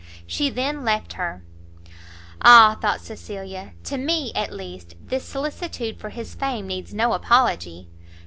She then left her. "Ah!" thought Cecilia, "to me, at least, this solicitude for his fame needs no apology!